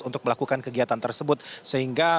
untuk melakukan kegiatan tersebut sehingga